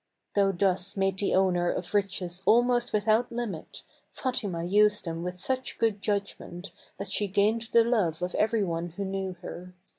Though thus made the owner of riches almost without limit, Fatima used them with such good judgment that she gained the love of every one who knew her.